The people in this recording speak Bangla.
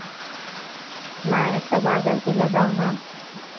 মা, একটা বার্গার কিনে দাও না?